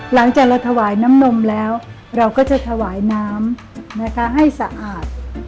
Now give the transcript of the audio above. หลังจากเราถวายน้ำนมแล้วเราก็จะถวายน้ำนะคะให้สะอาด